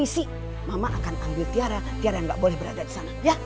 sampai jumpa di video selanjutnya